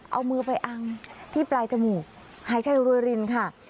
เอามือไปอังที่ปลายจมูกหายใจรวยรินค่ะ